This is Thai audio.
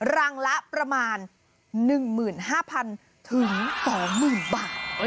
รังละประมาณ๑๕๐๐๐ถึง๒๐๐๐บาท